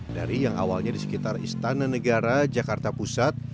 dari yang awalnya di sekitar istana negara jakarta pusat